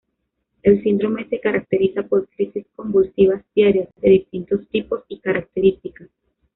El síndrome se caracteriza por crisis convulsivas diarias, de distintos tipos y características.